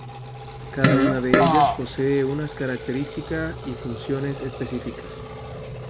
Cada una de ellas posee unas característica y funciones específicas.